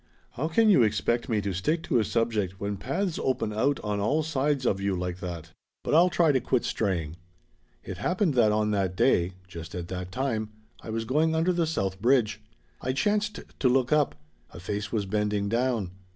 How can you expect me to stick to a subject when paths open out on all sides of you like that? But I'll try to quit straying. It happened that on that day, just at that time, I was going under the south bridge. I chanced to look up. A face was bending down.